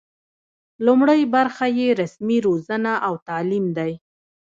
لومړۍ برخه یې رسمي روزنه او تعلیم دی.